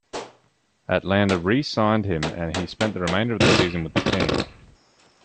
Atlanta re-signed him, and he spent the remainder of the season with the team.